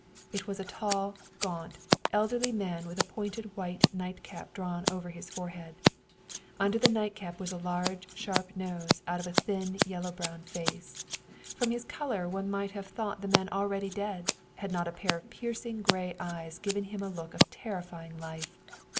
It was a tall, gaunt, elderly man with a pointed white night cap drawn over his forehead. Under the nightcap a large, sharp nose rose out of a thin yellow brown face. From his color one might have thought the man already dead, had not a pair of piercing gray eyes given him a look of terrify ing life.